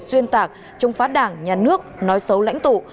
xuyên tạc chống phá đảng nhà nước nói xấu lãnh tụ